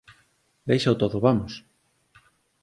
Déixao todo, vamos!